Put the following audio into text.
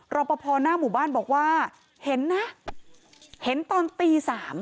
รอปภหน้าหมู่บ้านบอกว่าเห็นนะเห็นตอนตี๓